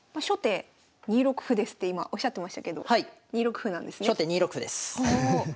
「初手２六歩です」って今おっしゃってましたけど２六歩なんですね？